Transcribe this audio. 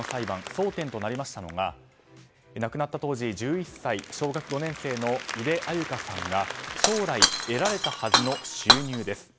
争点となりましたのが亡くなった当時１１歳小学５年生の井出安優香さんが将来、得られたはずの収入です。